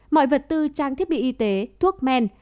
mọi vật tư trang thiết bị y tế thuốc men